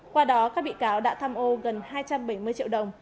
qua đó các bị cáo đã tham ô gần hai trăm bảy mươi triệu đồng